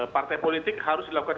partai politik harus dilakukan